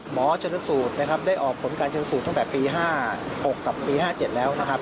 ชนสูตรนะครับได้ออกผลการชนสูตรตั้งแต่ปี๕๖กับปี๕๗แล้วนะครับ